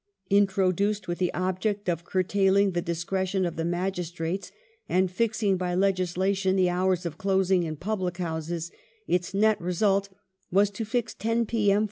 Introduced with the object of curtailing the discretion of the magistrates and fixing by legislation the houi s of closing in public houses, its nett result was to fix 10 p.m.